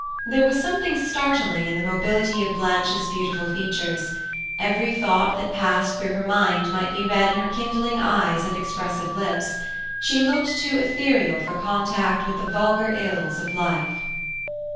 There was something startling in the mobility of Blanche's beautiful features; every thought that passed through her mind might be read in her kindling eyes and expressive lips; she looked too ethereal for contact with the vulgar ills of life.